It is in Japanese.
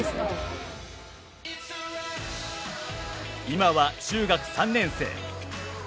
今は中学３年生。